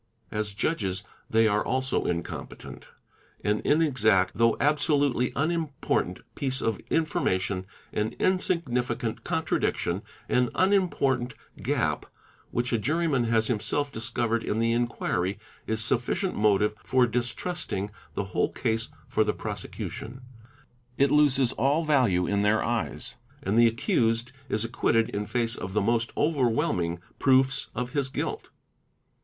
As judges they are so incompetent ; an inexact though absolutely unimportant piece of in "9 Sika * Spe I a RS Bi wmation, an insignificant contradiction, an unimportant gap, which a u yinan has himself discovered in the inquiry, is sufficient motive for istrusting the whole case for the prosecution; it loses all value in their ves; and the accused is acquitted in face of the most overwhelming proofs of his guilt.